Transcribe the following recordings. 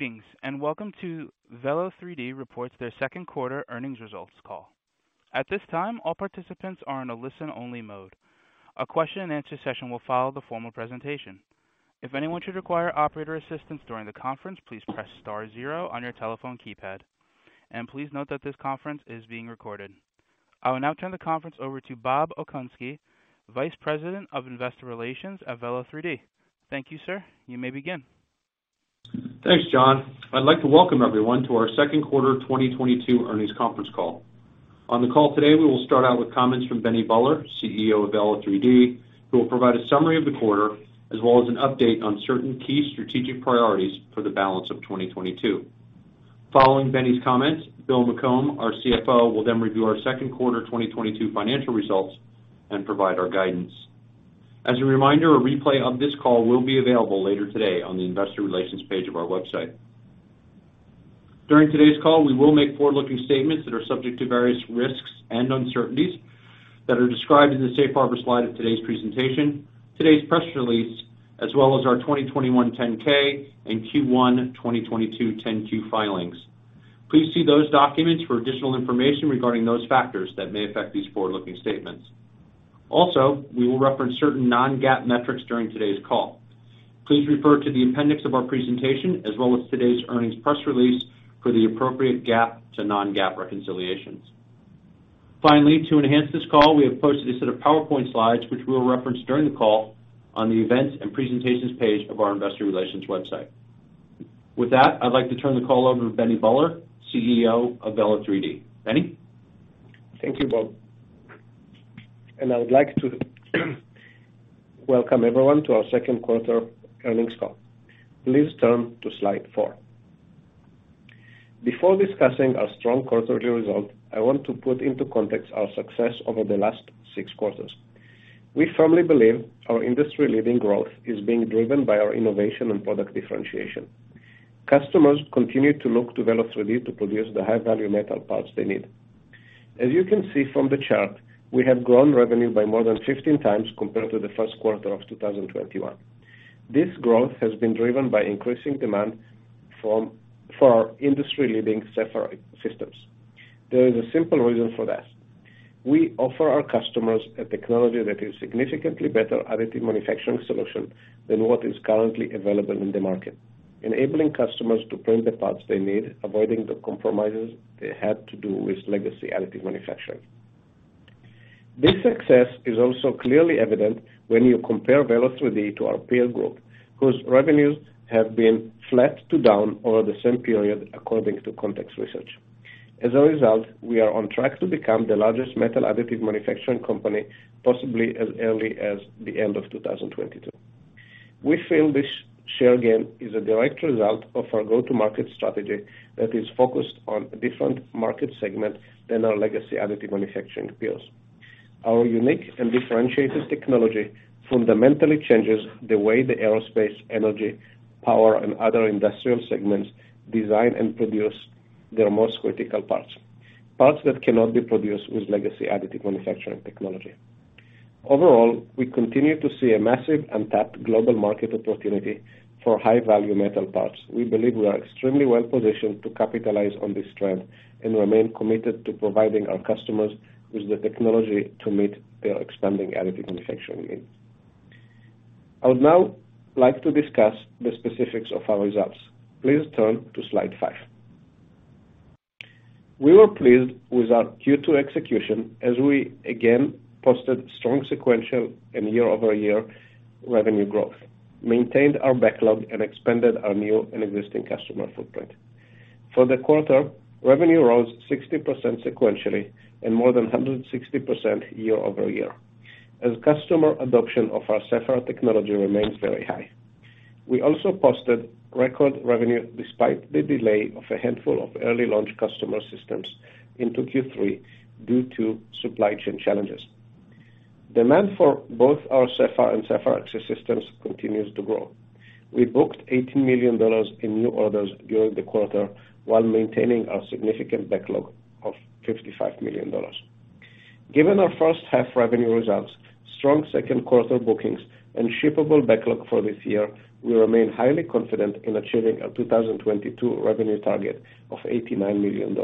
Greetings, welcome to Velo3D reports their second quarter earnings results call. At this time, all participants are in a listen-only mode. A question-and-answer session will follow the formal presentation. If anyone should require operator assistance during the conference, please press star zero on your telephone keypad. Please note that this conference is being recorded. I will now turn the conference over to Bob Okunski, Vice President of Investor Relations at Velo3D. Thank you, sir. You may begin. Thanks, John. I'd like to welcome everyone to our second quarter 2022 earnings conference call. On the call today, we will start out with comments from Benny Buller, CEO of Velo3D, who will provide a summary of the quarter as well as an update on certain key strategic priorities for the balance of 2022. Following Benny's comments, Bill McCombe, our CFO, will then review our second quarter 2022 financial results and provide our guidance. As a reminder, a replay of this call will be available later today on the investor relations page of our website. During today's call, we will make forward-looking statements that are subject to various risks and uncertainties that are described in the safe harbor slide of today's presentation, today's press release, as well as our 2021 10-K and Q1 2022 10-Q filings. Please see those documents for additional information regarding those factors that may affect these forward-looking statements. Also, we will reference certain non-GAAP metrics during today's call. Please refer to the appendix of our presentation as well as today's earnings press release for the appropriate GAAP to non-GAAP reconciliations. Finally, to enhance this call, we have posted a set of PowerPoint slides, which we'll reference during the call on the events and presentations page of our investor relations website. With that, I'd like to turn the call over to Benny Buller, CEO of Velo3D. Benny? Thank you, Bob, and I would like to welcome everyone to our second quarter earnings call. Please turn to slide four. Before discussing our strong quarter results, I want to put into context our success over the last six quarters. We firmly believe our industry-leading growth is being driven by our innovation and product differentiation. Customers continue to look to Velo3D to produce the high-value metal parts they need. As you can see from the chart, we have grown revenue by more than 15 times compared to the first quarter of 2021. This growth has been driven by increasing demand for our industry-leading Sapphire systems. There is a simple reason for that. We offer our customers a technology that is significantly better additive manufacturing solution than what is currently available in the market, enabling customers to print the parts they need, avoiding the compromises they had to do with legacy additive manufacturing. This success is also clearly evident when you compare Velo3D to our peer group, whose revenues have been flat to down over the same period, according to Context Research. As a result, we are on track to become the largest metal additive manufacturing company, possibly as early as the end of 2022. We feel this share gain is a direct result of our go-to-market strategy that is focused on a different market segment than our legacy additive manufacturing peers. Our unique and differentiated technology fundamentally changes the way the aerospace, energy, power, and other industrial segments design and produce their most critical parts that cannot be produced with legacy additive manufacturing technology. Overall, we continue to see a massive untapped global market opportunity for high-value metal parts. We believe we are extremely well positioned to capitalize on this trend and remain committed to providing our customers with the technology to meet their expanding additive manufacturing needs. I would now like to discuss the specifics of our results. Please turn to slide five. We were pleased with our Q2 execution as we, again, posted strong sequential and year-over-year revenue growth, maintained our backlog, and expanded our new and existing customer footprint. For the quarter, revenue rose 60% sequentially and more than 160% year-over-year as customer adoption of our Sapphire technology remains very high. We also posted record revenue despite the delay of a handful of early launch customer systems into Q3 due to supply chain challenges. Demand for both our Sapphire and Sapphire XC systems continues to grow. We booked $80 million in new orders during the quarter while maintaining our significant backlog of $55 million. Given our first half revenue results, strong second quarter bookings and shippable backlog for this year, we remain highly confident in achieving our 2022 revenue target of $89 million,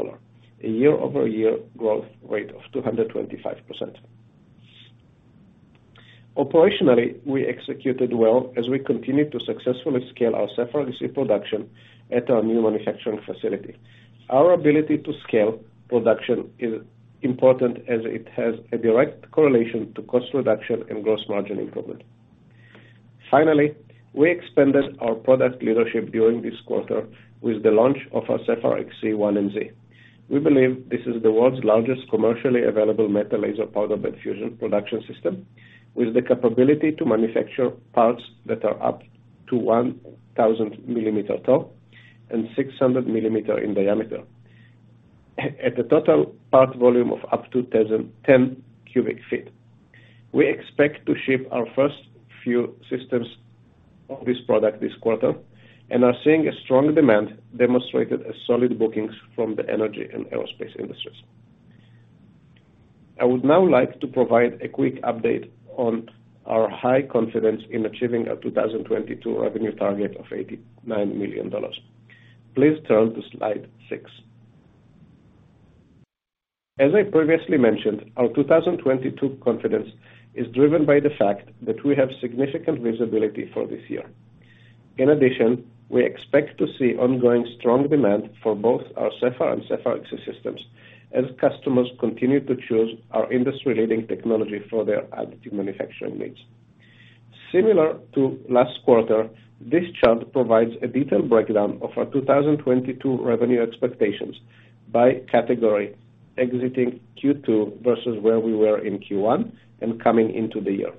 a year-over-year growth rate of 225%. Operationally, we executed well as we continued to successfully scale our Sapphire production at our new manufacturing facility. Our ability to scale production is important as it has a direct correlation to cost reduction and gross margin improvement. Finally, we expanded our product leadership during this quarter with the launch of our Sapphire XC 1MZ. We believe this is the world's largest commercially available metal laser powder bed fusion production system with the capability to manufacture parts that are up to 1,000 millimeters tall and 600 millimeters in diameter at a total part volume of up to 2,010 cubic feet. We expect to ship our first few systems of this product this quarter and are seeing a strong demand demonstrated as solid bookings from the energy and aerospace industries. I would now like to provide a quick update on our high confidence in achieving our 2022 revenue target of $89 million. Please turn to slide six. As I previously mentioned, our 2022 confidence is driven by the fact that we have significant visibility for this year. In addition, we expect to see ongoing strong demand for both our Sapphire and Sapphire XC systems as customers continue to choose our industry-leading technology for their additive manufacturing needs. Similar to last quarter, this chart provides a detailed breakdown of our 2022 revenue expectations by category exiting Q2 versus where we were in Q1 and coming into the year.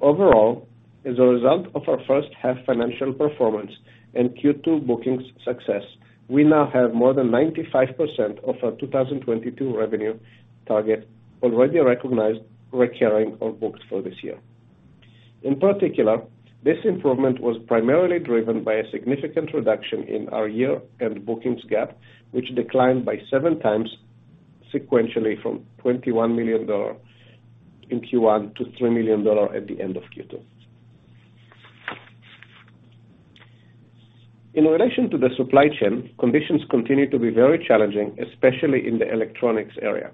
Overall, as a result of our first half financial performance and Q2 bookings success, we now have more than 95% of our 2022 revenue target already recognized, recurring, or booked for this year. In particular, this improvement was primarily driven by a significant reduction in our year-end bookings gap, which declined by seven times sequentially from $21 million in Q1 to $3 million at the end of Q2. In relation to the supply chain, conditions continue to be very challenging, especially in the electronics area.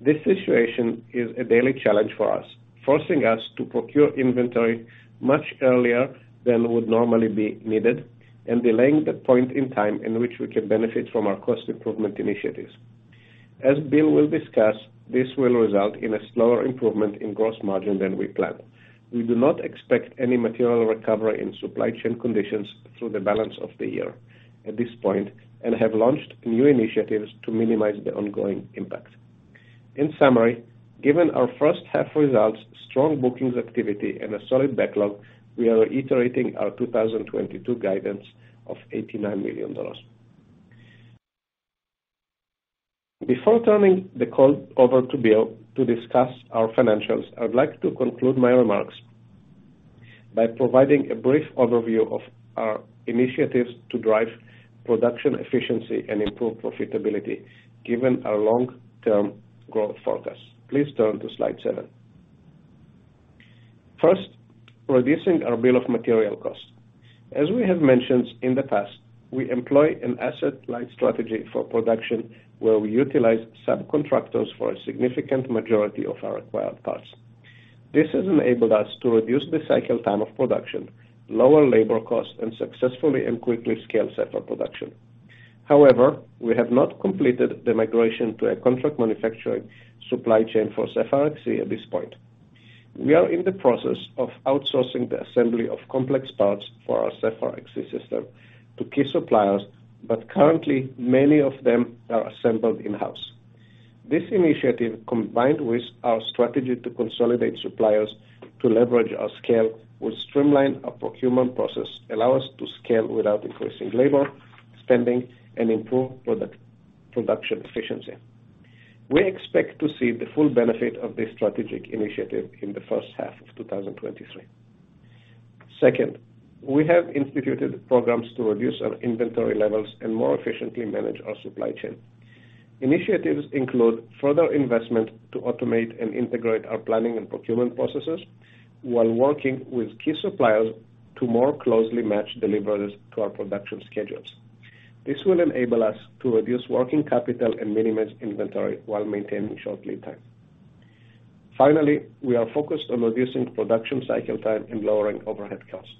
This situation is a daily challenge for us, forcing us to procure inventory much earlier than would normally be needed and delaying the point in time in which we can benefit from our cost improvement initiatives. As Bill will discuss, this will result in a slower improvement in gross margin than we planned. We do not expect any material recovery in supply chain conditions through the balance of the year at this point and have launched new initiatives to minimize the ongoing impact. In summary, given our first half results, strong bookings activity, and a solid backlog, we are iterating our 2022 guidance of $89 million. Before turning the call over to Bill to discuss our financials, I would like to conclude my remarks by providing a brief overview of our initiatives to drive production efficiency and improve profitability given our long-term growth forecast. Please turn to slide seven. First, reducing our bill of material costs. As we have mentioned in the past, we employ an asset-light strategy for production, where we utilize subcontractors for a significant majority of our required parts. This has enabled us to reduce the cycle time of production, lower labor costs, and successfully and quickly scale separate production. However, we have not completed the migration to a contract manufacturing supply chain for Sapphire XC at this point. We are in the process of outsourcing the assembly of complex parts for our Sapphire XC system to key suppliers, but currently many of them are assembled in-house. This initiative, combined with our strategy to consolidate suppliers to leverage our scale, will streamline our procurement process, allow us to scale without increasing labor spending, and improve product-production efficiency. We expect to see the full benefit of this strategic initiative in the first half of 2023. Second, we have instituted programs to reduce our inventory levels and more efficiently manage our supply chain. Initiatives include further investment to automate and integrate our planning and procurement processes while working with key suppliers to more closely match deliveries to our production schedules. This will enable us to reduce working capital and minimize inventory while maintaining short lead time. Finally, we are focused on reducing production cycle time and lowering overhead costs.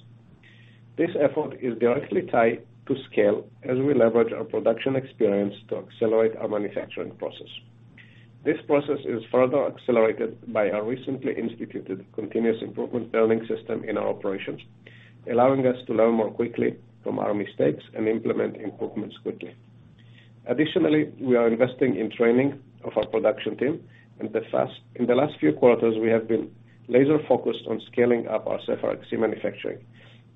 This effort is directly tied to scale as we leverage our production experience to accelerate our manufacturing process. This process is further accelerated by our recently instituted continuous improvement building system in our operations, allowing us to learn more quickly from our mistakes and implement improvements quickly. Additionally, we are investing in training of our production team, and in the last few quarters, we have been laser-focused on scaling up our Sapphire XC manufacturing.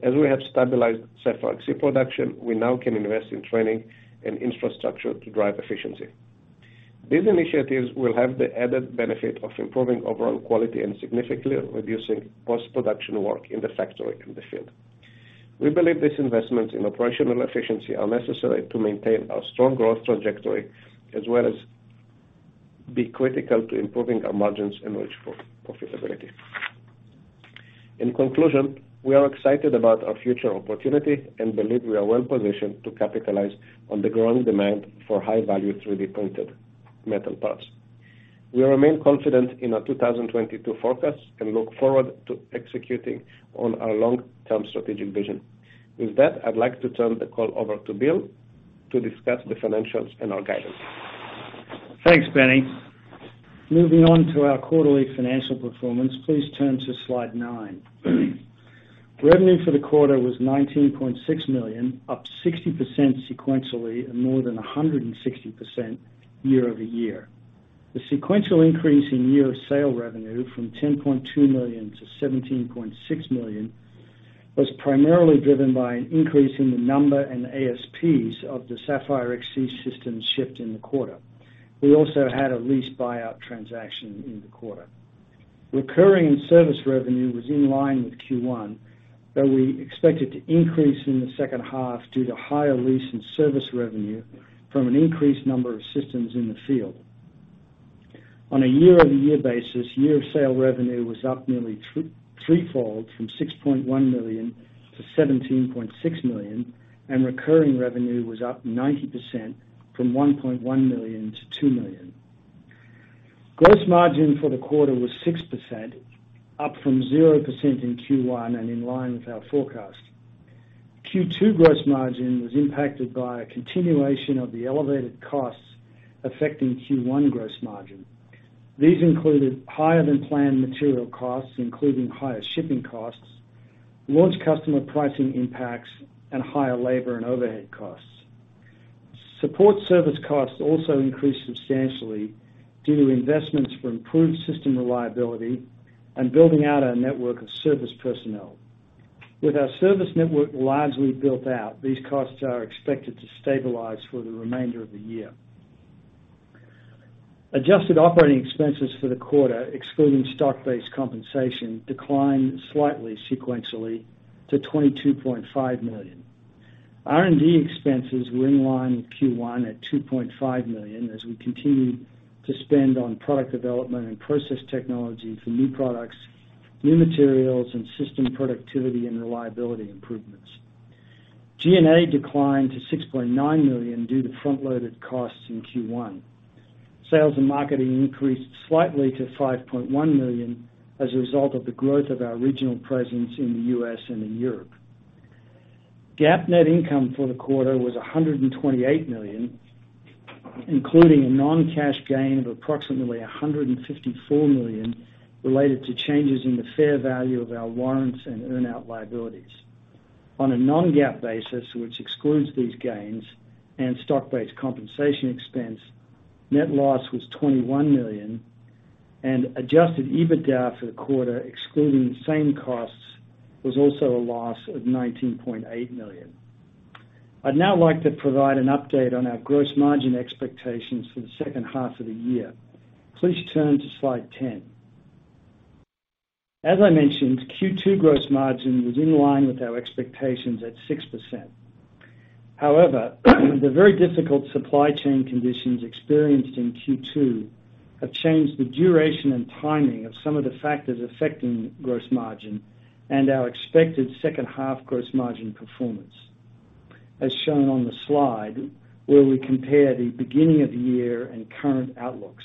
As we have stabilized Sapphire XC production, we now can invest in training and infrastructure to drive efficiency. These initiatives will have the added benefit of improving overall quality and significantly reducing post-production work in the factory in the field. We believe these investments in operational efficiency are necessary to maintain our strong growth trajectory as well as be critical to improving our margins and reach for profitability. In conclusion, we are excited about our future opportunity and believe we are well-positioned to capitalize on the growing demand for high-value, 3D printed metal parts. We remain confident in our 2022 forecast and look forward to executing on our long-term strategic vision. With that, I'd like to turn the call over to Bill to discuss the financials and our guidance. Thanks, Benny. Moving on to our quarterly financial performance, please turn to slide nine. Revenue for the quarter was $19.6 million, up 60% sequentially and more than 160% year-over-year. The sequential increase in unit sale revenue from $10.2 million to $17.6 million was primarily driven by an increase in the number and ASPs of the Sapphire XC systems shipped in the quarter. We also had a lease buyout transaction in the quarter. Recurring service revenue was in line with Q1, but we expect it to increase in the second half due to higher lease and service revenue from an increased number of systems in the field. On a year-over-year basis, yearly sales revenue was up nearly threefold from $6.1 million to $17.6 million, and recurring revenue was up 90% from $1.1 million to $2 million. Gross margin for the quarter was 6%, up from 0% in Q1 and in line with our forecast. Q2 gross margin was impacted by a continuation of the elevated costs affecting Q1 gross margin. These included higher than planned material costs, including higher shipping costs, launch customer pricing impacts, and higher labor and overhead costs. Support service costs also increased substantially due to investments for improved system reliability and building out our network of service personnel. With our service network largely built out, these costs are expected to stabilize for the remainder of the year. Adjusted operating expenses for the quarter, excluding stock-based compensation, declined slightly sequentially to $22.5 million. R&D expenses were in line with Q1 at $2.5 million as we continue to spend on product development and process technology for new products, new materials, and system productivity and reliability improvements. G&A declined to $6.9 million due to front-loaded costs in Q1. Sales and marketing increased slightly to $5.1 million as a result of the growth of our regional presence in the U.S. and in Europe. GAAP net income for the quarter was $128 million, including a non-cash gain of approximately $154 million related to changes in the fair value of our warrants and earn out liabilities. On a non-GAAP basis, which excludes these gains and stock-based compensation expense, net loss was $21 million, and adjusted EBITDA for the quarter, excluding the same costs, was also a loss of $19.8 million. I'd now like to provide an update on our gross margin expectations for the second half of the year. Please turn to slide 10. As I mentioned, Q2 gross margin was in line with our expectations at 6%. However, the very difficult supply chain conditions experienced in Q2 have changed the duration and timing of some of the factors affecting gross margin and our expected second half gross margin performance, as shown on the slide where we compare the beginning of the year and current outlooks.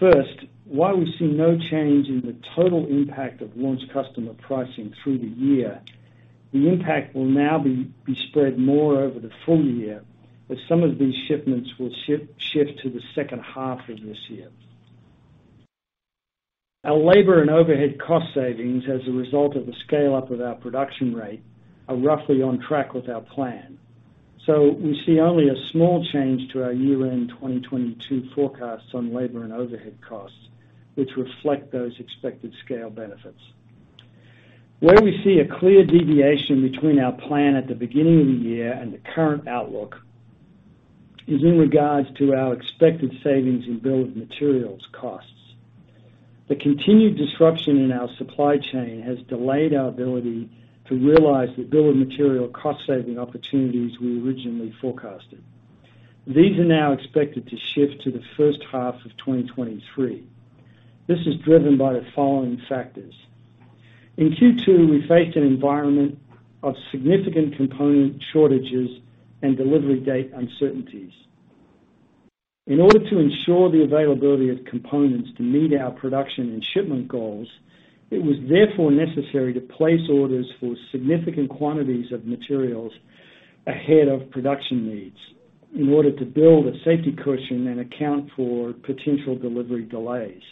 First, while we see no change in the total impact of launch customer pricing through the year, the impact will now be spread more over the full year as some of these shipments will shift to the second half of this year. Our labor and overhead cost savings as a result of the scale-up of our production rate are roughly on track with our plan. We see only a small change to our year-end 2022 forecasts on labor and overhead costs, which reflect those expected scale benefits. Where we see a clear deviation between our plan at the beginning of the year and the current outlook is in regards to our expected savings in bill of materials costs. The continued disruption in our supply chain has delayed our ability to realize the bill of material cost-saving opportunities we originally forecasted. These are now expected to shift to the first half of 2023. This is driven by the following factors. In Q2, we faced an environment of significant component shortages and delivery date uncertainties. In order to ensure the availability of components to meet our production and shipment goals, it was therefore necessary to place orders for significant quantities of materials ahead of production needs in order to build a safety cushion and account for potential delivery delays.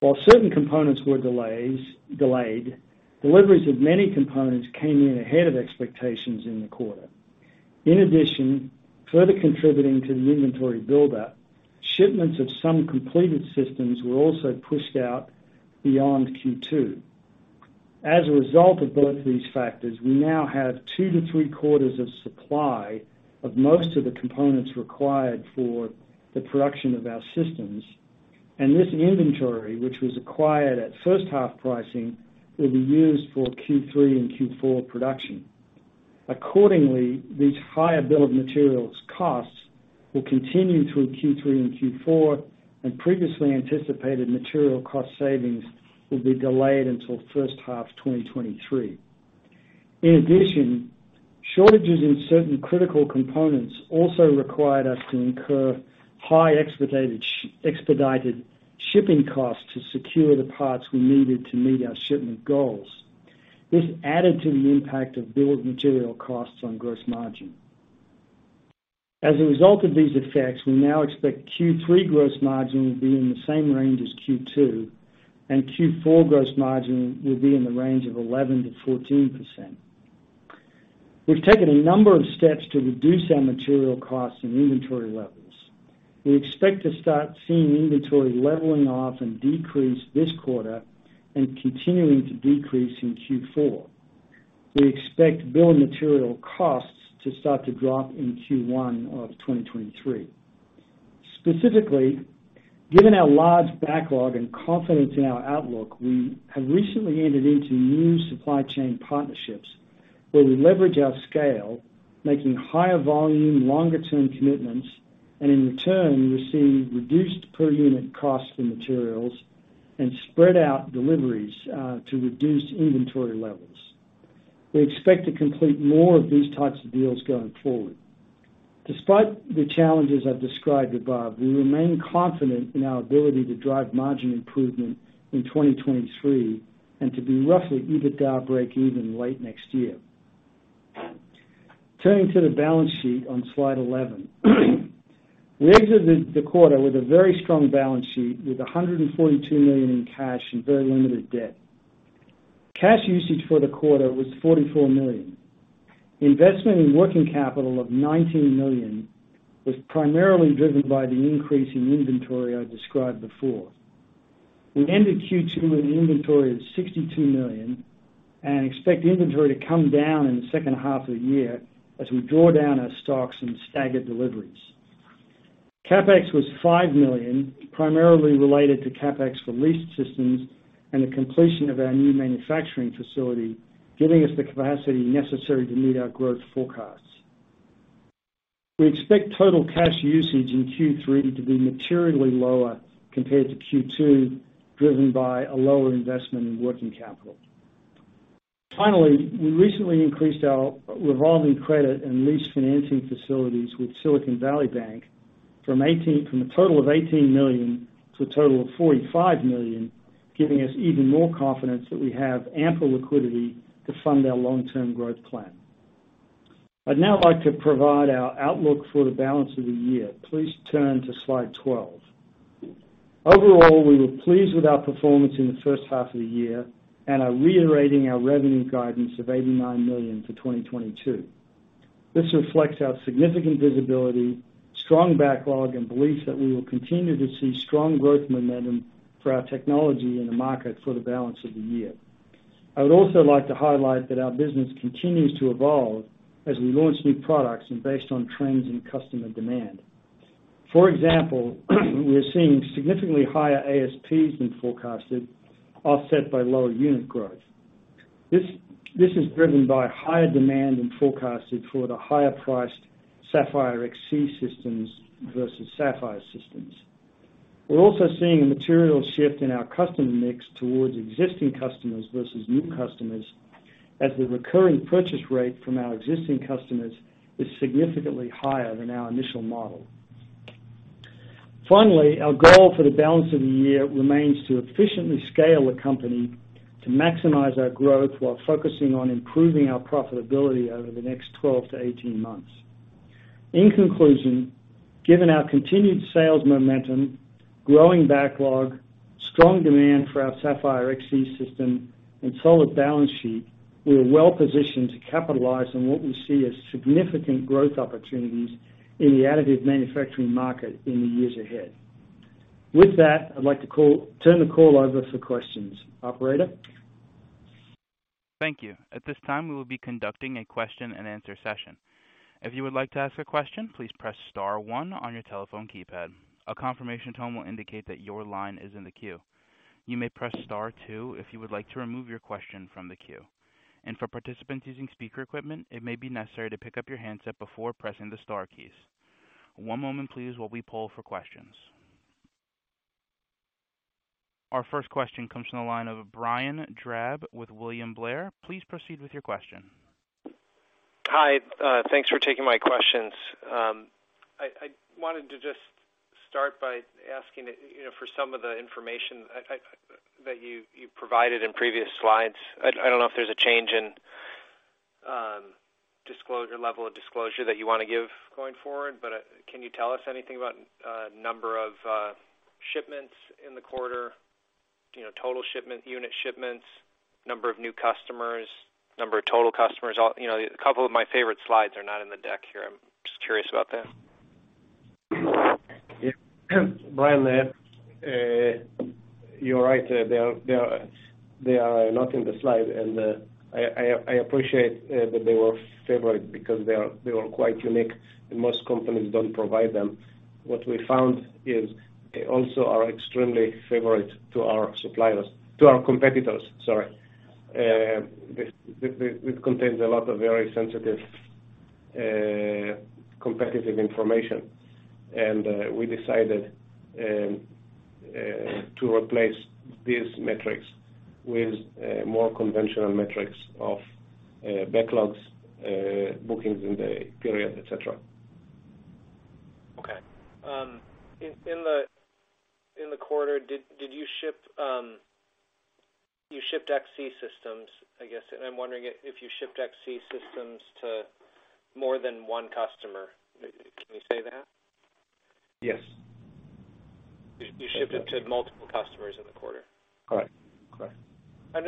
While certain components were delayed, deliveries of many components came in ahead of expectations in the quarter. In addition, further contributing to the inventory buildup, shipments of some completed systems were also pushed out beyond Q2. As a result of both these factors, we now have two to three quarters of supply of most of the components required for the production of our systems. This inventory, which was acquired at first half pricing, will be used for Q3 and Q4 production. Accordingly, these higher bill of materials costs will continue through Q3 and Q4, and previously anticipated material cost savings will be delayed until first half 2023. In addition, shortages in certain critical components also required us to incur high expedited shipping costs to secure the parts we needed to meet our shipment goals. This added to the impact of bill of material costs on gross margin. As a result of these effects, we now expect Q3 gross margin will be in the same range as Q2, and Q4 gross margin will be in the range of 11%-14%. We've taken a number of steps to reduce our material costs and inventory levels. We expect to start seeing inventory leveling off and decrease this quarter and continuing to decrease in Q4. We expect bill of material costs to start to drop in Q1 of 2023. Specifically, given our large backlog and confidence in our outlook, we have recently entered into new supply chain partnerships where we leverage our scale, making higher volume, longer-term commitments, and in return, we receive reduced per unit cost in materials and spread out deliveries to reduce inventory levels. We expect to complete more of these types of deals going forward. Despite the challenges I've described above, we remain confident in our ability to drive margin improvement in 2023 and to be roughly EBITDA breakeven late next year. Turning to the balance sheet on slide 11. We exited the quarter with a very strong balance sheet with $142 million in cash and very limited debt. Cash usage for the quarter was $44 million. Investment in working capital of $19 million was primarily driven by the increase in inventory I described before. We ended Q2 with an inventory of $62 million and expect inventory to come down in the second half of the year as we draw down our stocks and stagger deliveries. CapEx was $5 million, primarily related to CapEx for leased systems and the completion of our new manufacturing facility, giving us the capacity necessary to meet our growth forecasts. We expect total cash usage in Q3 to be materially lower compared to Q2, driven by a lower investment in working capital. Finally, we recently increased our revolving credit and lease financing facilities with Silicon Valley Bank from a total of $18 million to a total of $45 million, giving us even more confidence that we have ample liquidity to fund our long-term growth plan. I'd now like to provide our outlook for the balance of the year. Please turn to slide 12. Overall, we were pleased with our performance in the first half of the year and are reiterating our revenue guidance of $89 million for 2022. This reflects our significant visibility, strong backlog, and belief that we will continue to see strong growth momentum for our technology in the market for the balance of the year. I would also like to highlight that our business continues to evolve as we launch new products and based on trends in customer demand. For example, we are seeing significantly higher ASPs than forecasted, offset by lower unit growth. This is driven by higher demand than forecasted for the higher-priced Sapphire XC systems versus Sapphire systems. We're also seeing a material shift in our customer mix towards existing customers versus new customers, as the recurring purchase rate from our existing customers is significantly higher than our initial model. Finally, our goal for the balance of the year remains to efficiently scale the company to maximize our growth while focusing on improving our profitability over the next 12-18 months. In conclusion, given our continued sales momentum, growing backlog, strong demand for our Sapphire XC system, and solid balance sheet, we are well positioned to capitalize on what we see as significant growth opportunities in the additive manufacturing market in the years ahead. With that, I'd like to turn the call over for questions. Operator? Thank you. At this time, we will be conducting a question-and-answer session. If you would like to ask a question, please press star one on your telephone keypad. A confirmation tone will indicate that your line is in the queue. You may press star two if you would like to remove your question from the queue. For participants using speaker equipment, it may be necessary to pick up your handset before pressing the star keys. One moment, please, while we poll for questions. Our first question comes from the line of Brian Drab with William Blair. Please proceed with your question. Hi, thanks for taking my questions. I wanted to just start by asking, you know, for some of the information that you provided in previous slides. I don't know if there's a change in disclosure level of disclosure that you wanna give going forward, but can you tell us anything about number of shipments in the quarter? You know, total shipment, unit shipments, number of new customers, number of total customers. You know, a couple of my favorite slides are not in the deck here. I'm just curious about that. Yeah. Brian Drab, you're right. They are not in the slide. I appreciate that they were valuable because they were quite unique, and most companies don't provide them. What we found is they also are extremely valuable to our suppliers, to our competitors, sorry. This contains a lot of very sensitive competitive information. We decided to replace these metrics with more conventional metrics of backlogs, bookings in the period, et cetera. Okay. In the quarter, you shipped XC systems, I guess, and I'm wondering if you shipped XC systems to more than one customer. Can you say that? Yes. You shipped it to multiple customers in the quarter? Correct. Correct. I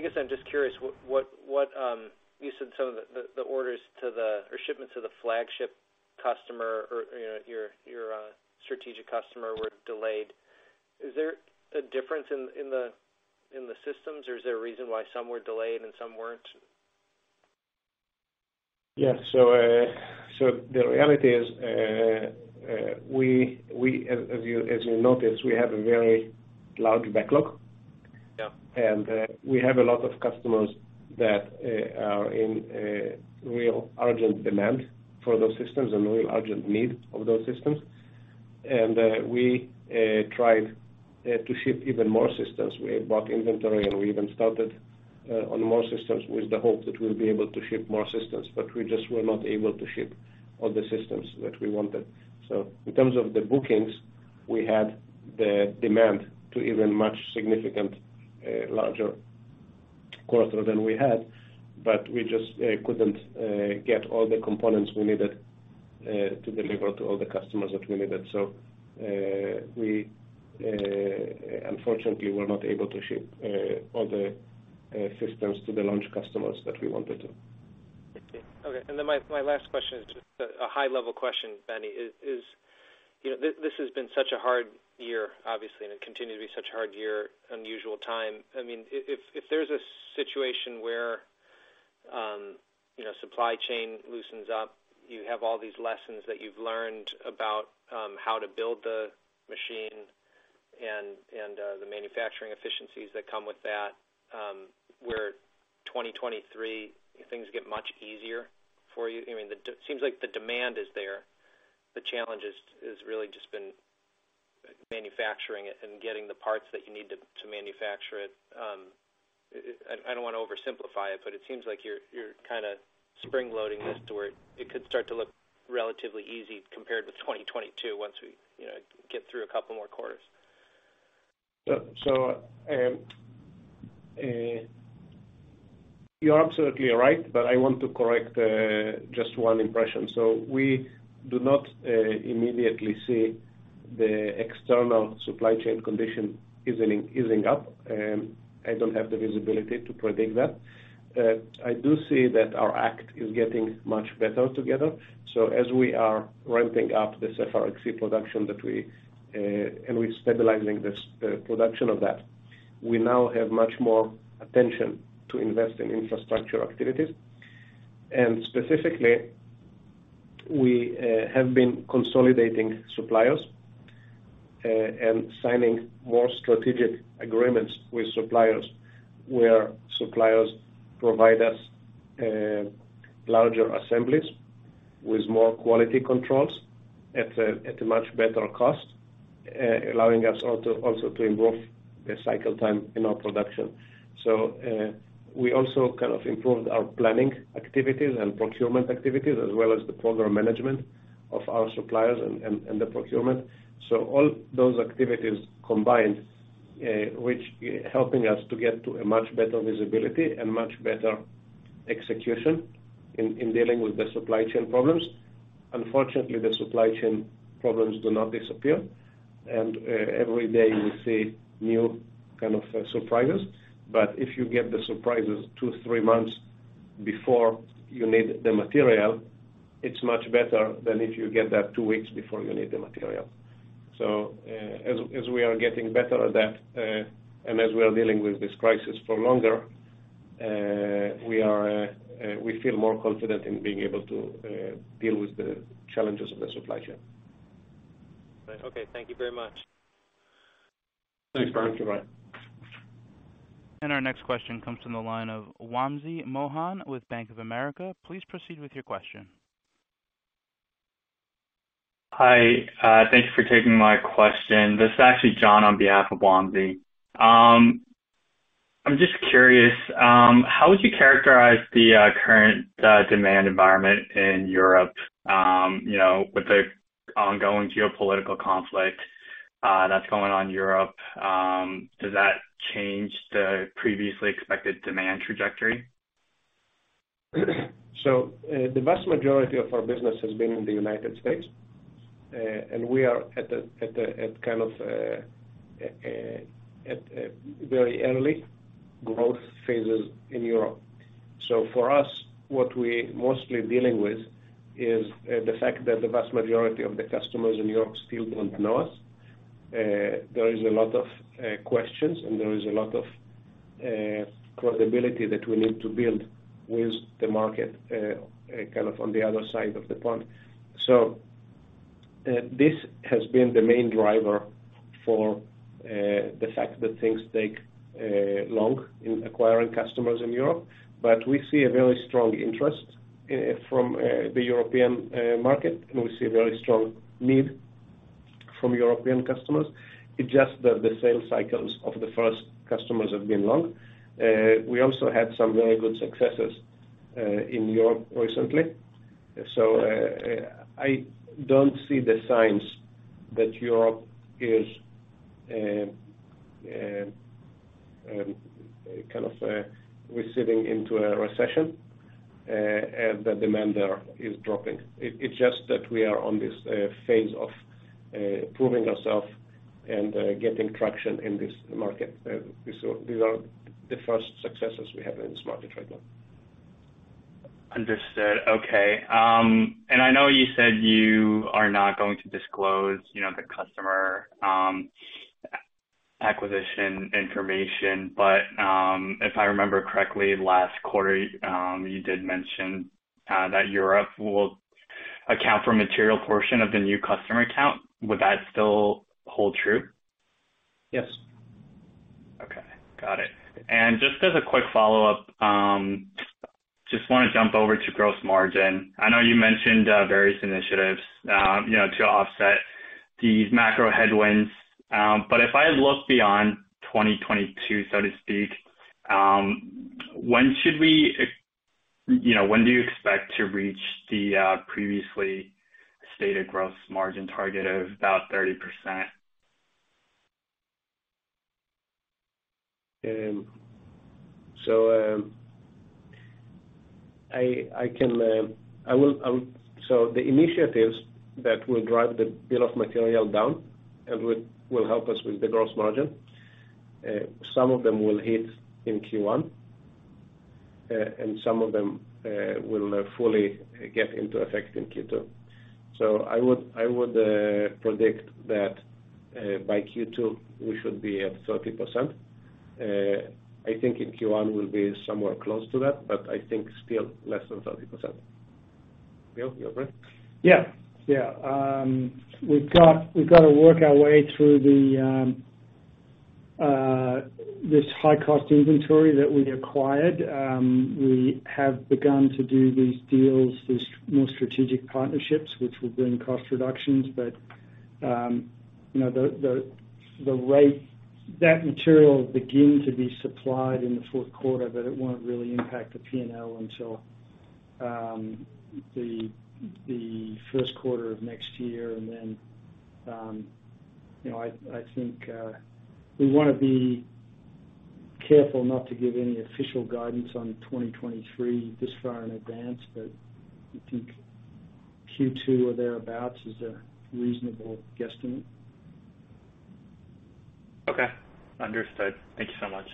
guess I'm just curious what you said some of the orders or shipments to the flagship customer or, you know, your strategic customer were delayed. Is there a difference in the systems, or is there a reason why some were delayed and some weren't? Yeah. The reality is, as you noticed, we have a very large backlog. Yeah. We have a lot of customers that are in a real urgent demand for those systems and real urgent need of those systems. We tried to ship even more systems. We bought inventory, and we even started on more systems with the hope that we'll be able to ship more systems, but we just were not able to ship all the systems that we wanted. In terms of the bookings, we had the demand to even much significant larger quarter than we had, but we just couldn't get all the components we needed to deliver to all the customers that we needed. We unfortunately were not able to ship all the systems to the launch customers that we wanted to. Okay. My last question is just a high-level question, Benny. You know, this has been such a hard year, obviously, and it continued to be such a hard year, unusual time. I mean, if there's a situation where you know, supply chain loosens up, you have all these lessons that you've learned about how to build the machine and the manufacturing efficiencies that come with that, where 2023 things get much easier for you. I mean, seems like the demand is there. The challenge is really just been manufacturing it and getting the parts that you need to manufacture it. I don't wanna oversimplify it, but it seems like you're kinda spring loading this to where it could start to look relatively easy compared with 2022 once we, you know, get through a couple more quarters. You're absolutely right, but I want to correct just one impression. We do not immediately see the external supply chain condition easing up. I don't have the visibility to predict that. I do see that our act is getting much better together. As we are ramping up the Sapphire XC production that we and we're stabilizing the production of that, we now have much more attention to invest in infrastructure activities. Specifically, we have been consolidating suppliers and signing more strategic agreements with suppliers where suppliers provide us larger assemblies with more quality controls at a much better cost, allowing us also to improve the cycle time in our production. We also kind of improved our planning activities and procurement activities, as well as the program management of our suppliers and the procurement. All those activities combined, which helping us to get to a much better visibility and much better execution in dealing with the supply chain problems. Unfortunately, the supply chain problems do not disappear, and every day you see new kind of surprises. If you get the surprises two, three months before you need the material, it's much better than if you get that two weeks before you need the material. As we are getting better at that, and as we are dealing with this crisis for longer, we feel more confident in being able to deal with the challenges of the supply chain. Okay. Thank you very much. Thanks, Brian. Goodbye. Our next question comes from the line of Wamsi Mohan with Bank of America. Please proceed with your question. Hi. Thank you for taking my question. This is actually John on behalf of Wamsi. I'm just curious, how would you characterize the current demand environment in Europe? You know, with the ongoing geopolitical conflict that's going on in Europe, does that change the previously expected demand trajectory? The vast majority of our business has been in the United States, and we are at a very early growth phases in Europe. For us, what we mostly dealing with is the fact that the vast majority of the customers in Europe still don't know us. There is a lot of questions, and there is a lot of credibility that we need to build with the market, kind of on the other side of the pond. This has been the main driver for the fact that things take long in acquiring customers in Europe. We see a very strong interest from the European market, and we see very strong need from European customers. It's just that the sales cycles of the first customers have been long. We also had some very good successes in Europe recently. I don't see the signs that Europe is kind of heading into a recession and the demand there is dropping. It's just that we are on this phase of proving ourselves and getting traction in this market. These are the first successes we have in this market right now. Understood. Okay. I know you said you are not going to disclose, you know, the customer acquisition information, but if I remember correctly, last quarter, you did mention that Europe will account for a material portion of the new customer count. Would that still hold true? Yes. Okay, got it. Just as a quick follow-up, just wanna jump over to gross margin. I know you mentioned various initiatives, you know, to offset these macro headwinds. If I look beyond 2022, so to speak, when should we, you know, when do you expect to reach the previously stated gross margin target of about 30%? The initiatives that will drive the bill of material down and will help us with the gross margin, some of them will hit in Q1, and some of them will fully get into effect in Q2. I would predict that by Q2, we should be at 30%. I think in Q1 we'll be somewhere close to that, but I think still less than 30%. Bill, your break? Yeah. We've gotta work our way through this high-cost inventory that we acquired. We have begun to do these deals, these more strategic partnerships, which will bring cost reductions. You know, the rate that material will begin to be supplied in the fourth quarter, but it won't really impact the P&L until the first quarter of next year. Then, you know, I think we wanna be careful not to give any official guidance on 2023 this far in advance, but I think Q2 or thereabouts is a reasonable guesstimate. Okay. Understood. Thank you so much.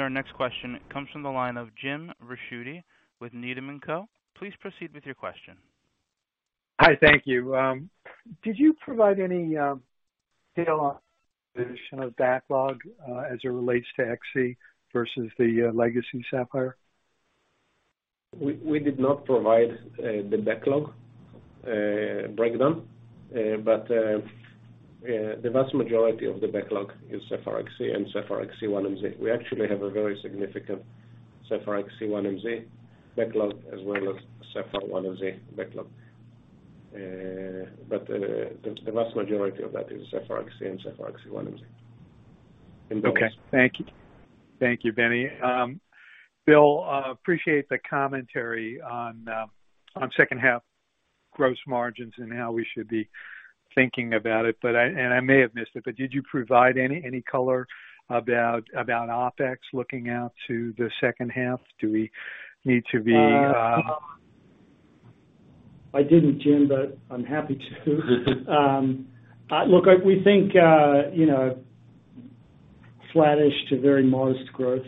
Our next question comes from the line of Jim Ricchiuti with Needham and Co. Please proceed with your question. Hi. Thank you. Did you provide any detail on composition of backlog as it relates to XC versus the legacy Sapphire? We did not provide the backlog breakdown. The vast majority of the backlog is Sapphire XC and Sapphire XC1MZ. We actually have a very significant Sapphire XC1MZ backlog as well as Sapphire 1MZ backlog. The vast majority of that is Sapphire XC and Sapphire XC1MZ. In dollars. Okay. Thank you. Thank you, Benny. Bill, appreciate the commentary on second half gross margins and how we should be thinking about it. I may have missed it, but did you provide any color about OpEx looking out to the second half? Do we need to be I didn't, Jim, but I'm happy to. Look, we think, you know, flattish to very modest growth.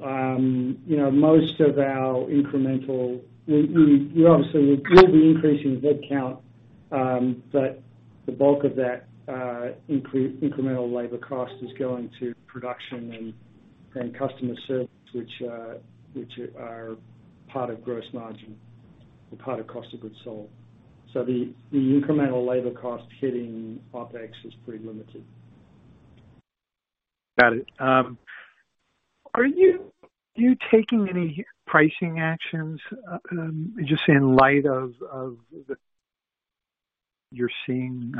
You know, most of our incremental. We obviously will be increasing headcount, but the bulk of that, incremental labor cost is going to production and customer service, which are part of gross margin, part of cost of goods sold. The incremental labor cost hitting OpEx is pretty limited. Got it. Are you taking any pricing actions just in light of what you're seeing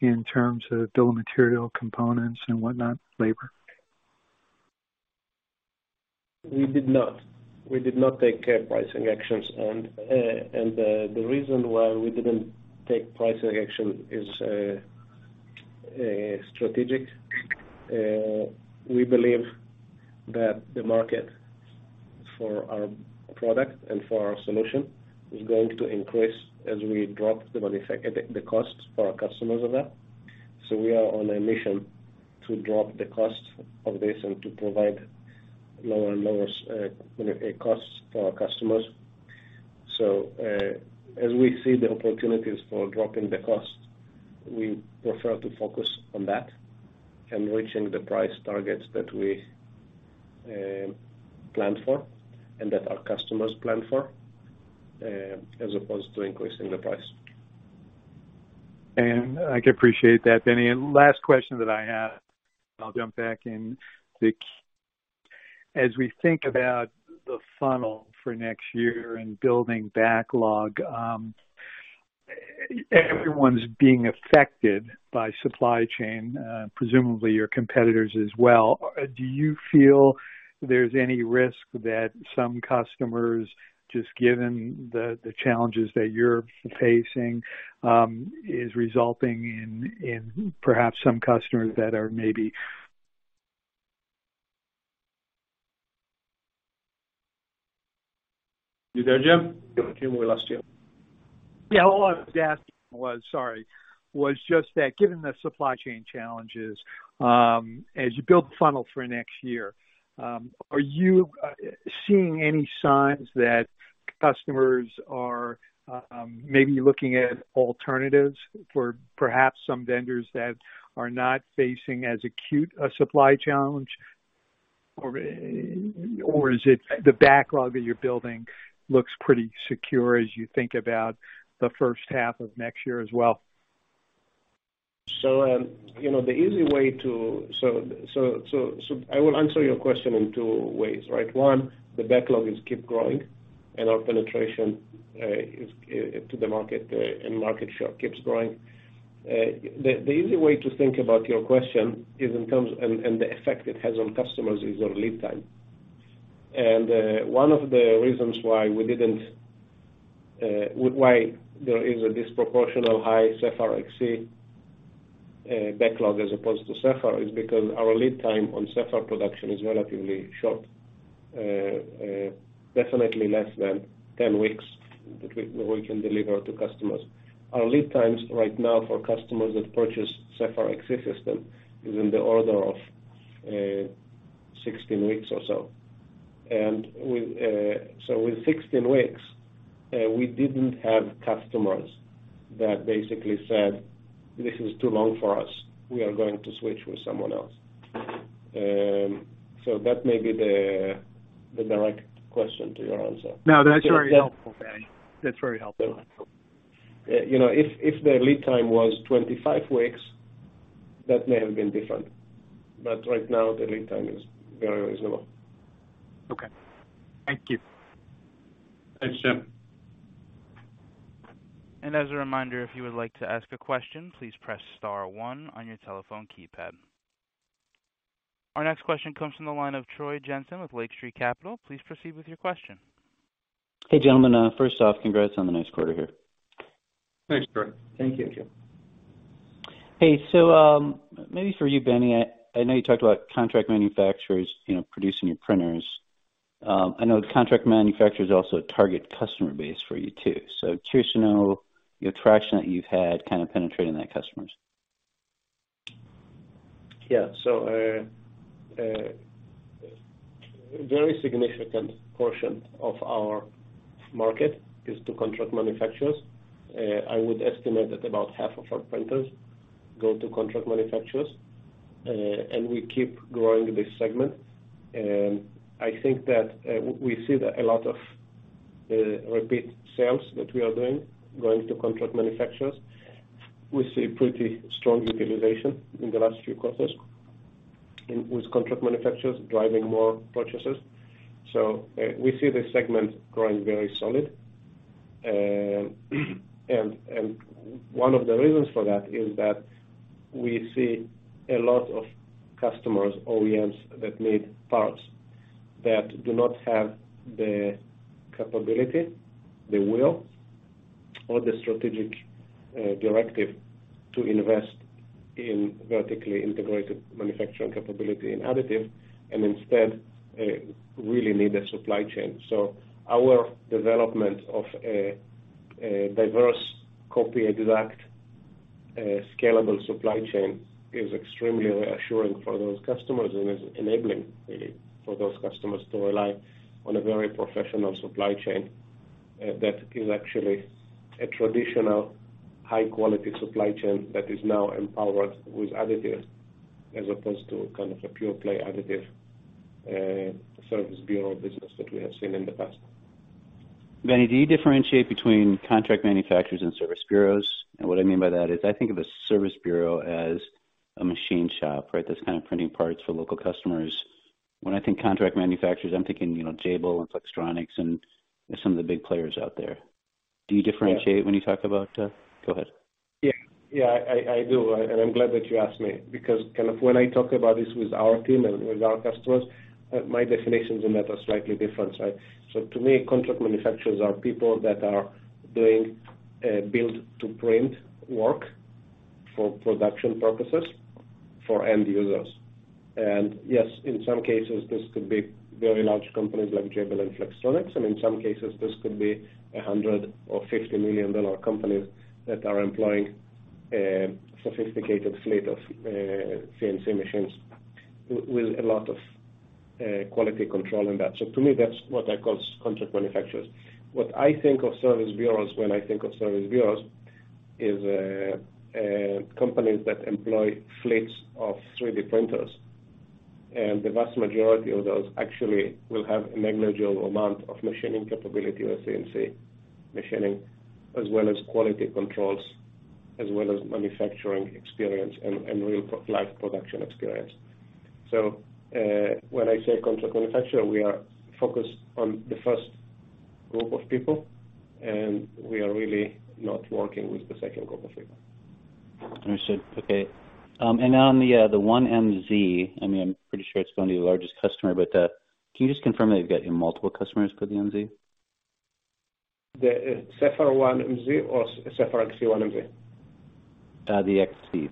in terms of bill of material components and whatnot, labor? We did not take pricing actions. The reason why we didn't take pricing action is strategic. We believe that the market for our product and for our solution is going to increase as we drop the costs for our customers of that. We are on a mission to drop the cost of this and to provide lower and lower, you know, costs for our customers. As we see the opportunities for dropping the cost, we prefer to focus on that and reaching the price targets that we plan for and that our customers plan for as opposed to increasing the price. I appreciate that, Benny. Last question that I have, I'll jump back in the queue. As we think about the funnel for next year and building backlog, everyone's being affected by supply chain, presumably your competitors as well. Do you feel there's any risk that some customers, just given the challenges that you're facing, is resulting in perhaps some customers that are maybe You there, Jim? Jim, we lost you. Yeah, all I was asking was, sorry, was just that given the supply chain challenges, as you build the funnel for next year, are you seeing any signs that customers are maybe looking at alternatives for perhaps some vendors that are not facing as acute a supply challenge? Or is it the backlog that you're building looks pretty secure as you think about the first half of next year as well? I will answer your question in two ways, right? One, the backlog is keep growing and our penetration into the market and market share keeps growing. The easy way to think about your question is in terms of, and the effect it has on customers is your lead time. One of the reasons why there is a disproportionately high Sapphire XC backlog as opposed to Sapphire is because our lead time on Sapphire production is relatively short. Definitely less than 10 weeks that we can deliver to customers. Our lead times right now for customers that purchase Sapphire XC system is in the order of 16 weeks or so. With 16 weeks, we didn't have customers that basically said, "This is too long for us. We are going to switch with someone else." That may be the direct question to your answer. No, that's very helpful, Benny. That's very helpful. You know, if the lead time was 25 weeks, that may have been different. Right now, the lead time is very reasonable. Okay. Thank you. Thanks, Jim. As a reminder, if you would like to ask a question, please press star one on your telephone keypad. Our next question comes from the line of Troy Jensen with Lake Street Capital. Please proceed with your question. Hey, gentlemen. First off, congrats on the nice quarter here. Thanks, Troy. Thank you. Hey, maybe for you, Benny. I know you talked about contract manufacturers, you know, producing your printers. I know the contract manufacturer is also a target customer base for you, too. Curious to know the traction that you've had kind of penetrating that customers? Yeah. A very significant portion of our market is to contract manufacturers. I would estimate that about half of our printers go to contract manufacturers. We keep growing this segment. I think that we see that a lot of repeat sales that we are doing going to contract manufacturers. We see pretty strong utilization in the last few quarters and with contract manufacturers driving more purchases. We see this segment growing very solid. One of the reasons for that is that we see a lot of customers, OEMs, that need parts that do not have the capability, the will, or the strategic directive to invest in vertically integrated manufacturing capability and additive, and instead really need a supply chain. Our development of a diverse copy exact scalable supply chain is extremely reassuring for those customers and is enabling really for those customers to rely on a very professional supply chain that is actually a traditional high quality supply chain that is now empowered with additives, as opposed to kind of a pure play additive service bureau business that we have seen in the past. Benny, do you differentiate between contract manufacturers and service bureaus? What I mean by that is, I think of a service bureau as a machine shop, right? That's kind of printing parts for local customers. When I think contract manufacturers, I'm thinking, you know, Jabil and Flextronics and some of the big players out there. Do you differentiate when you talk about, Go ahead. Yeah. Yeah, I do. I'm glad that you asked me, because kind of when I talk about this with our team and with our customers, my definitions in that are slightly different, right? To me, contract manufacturers are people that are doing build to print work for production purposes for end users. Yes, in some cases, this could be very large companies like Jabil and Flextronics, and in some cases this could be $100 million or $50 million companies that are employing a sophisticated fleet of CNC machines with a lot of quality control in that. To me, that's what I call contract manufacturers. What I think of service bureaus when I think of service bureaus is companies that employ fleets of 3D printers, and the vast majority of those actually will have a negligible amount of machining capability or CNC machining as well as quality controls, as well as manufacturing experience and real life production experience. When I say contract manufacturer, we are focused on the first group of people, and we are really not working with the second group of people. Understood. Okay. On the 1MZ, I mean, I'm pretty sure it's going to be the largest customer, but can you just confirm that you've got multiple customers for the MZ? The Sapphire 1MZ or Sapphire XC 1MZ? The XC.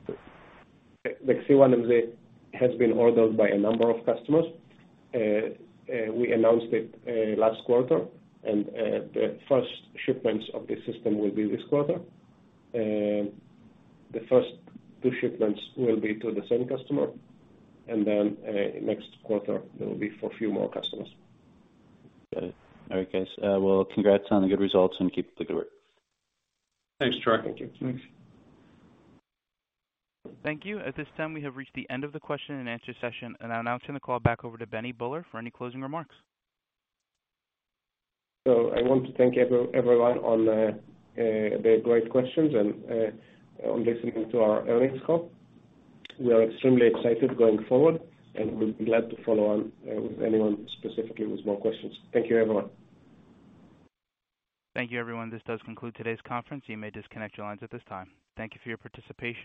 The XC 1MZ has been ordered by a number of customers. We announced it last quarter, and the first shipments of the system will be this quarter. The first two shipments will be to the same customer, and then next quarter it will be for a few more customers. Got it. All right, guys. Well, congrats on the good results and keep up the good work. Thanks, Troy. Thank you. Thank you. At this time, we have reached the end of the question and answer session. I'll now turn the call back over to Benny Buller for any closing remarks. I want to thank everyone for the great questions and for listening to our earnings call. We are extremely excited going forward, and we'll be glad to follow up with anyone specifically with more questions. Thank you, everyone. Thank you, everyone. This does conclude today's conference. You may disconnect your lines at this time. Thank you for your participation.